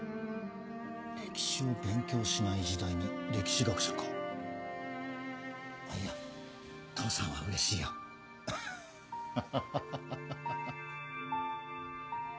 歴史を勉強しない時代に歴史学者かいや父さんはうれしいよアハハ